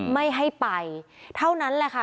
ไม่ให้ไปเท่านั้นแหละค่ะ